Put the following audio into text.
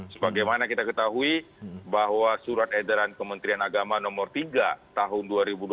sebagaimana kita ketahui bahwa surat edaran kementerian agama nomor tiga tahun dua ribu dua puluh